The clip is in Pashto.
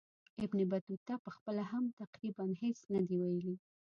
ابن بطوطه پخپله هم تقریبا هیڅ نه دي ویلي.